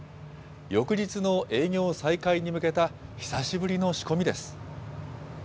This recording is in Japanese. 翌日の営業再開に向けた久しぶりの仕込みです。